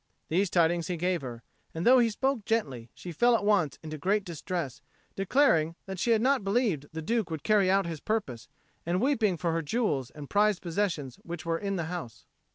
These tidings he gave her, and though he spoke gently, she fell at once into great distress, declaring that she had not believed the Duke would carry out his purpose, and weeping for her jewels and prized possessions which were in the house.